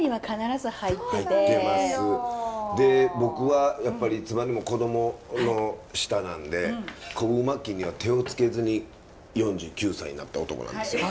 で僕はやっぱりいつまでも子どもの舌なんで昆布巻きには手を付けずに４９歳になった男なんですよ。